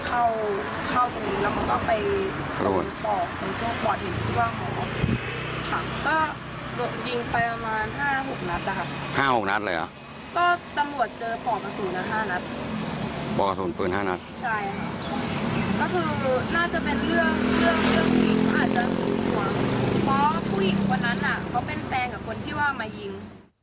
เพราะผู้หญิงของนั้นเขาเป็นแฟนกับคนที่ว่ามายิง